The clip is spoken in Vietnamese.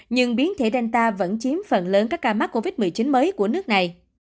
nhưng biến thể danta vẫn chiếm phần lớn các ca mắc covid một mươi chín mới của nước này